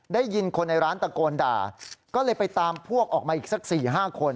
ได้ยินคนในร้านตะโกนด่าก็เลยไปตามพวกออกมาอีกสัก๔๕คน